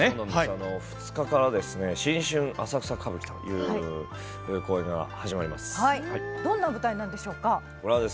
２日から「新春浅草歌舞伎」という公演が始まります。